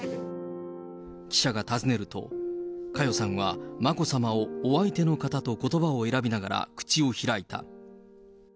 記者が尋ねると、佳代さんは、眞子さまをお相手の方とことばを選びながら口を開いた。